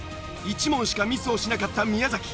１問しかミスをしなかった宮崎。